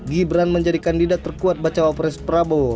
gibran menjadi kandidat terkuat baca wapres prabowo